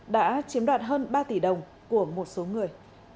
đã chiếm đoạt hơn ba tỷ đồng của một số người